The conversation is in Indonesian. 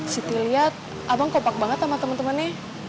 siti lihat abang kopak banget sama temen temennya